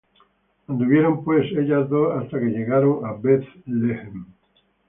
Anduvieron pues ellas dos hasta que llegaron á Beth-lehem